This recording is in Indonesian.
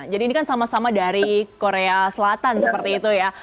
jadi ini kan sama sama dari korea selatan seperti itu ya